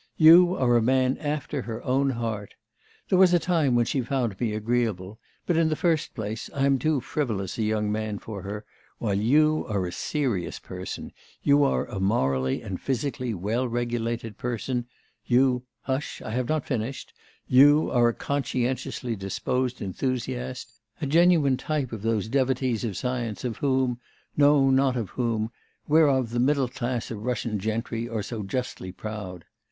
You are a man after her own heart. There was a time when she found me agreeable; but, in the first place, I am too frivolous a young man for her, while you are a serious person, you are a morally and physically well regulated person, you hush, I have not finished, you are a conscientiously disposed enthusiast, a genuine type of those devotees of science, of whom no not of whom whereof the middle class of Russian gentry are so justly proud!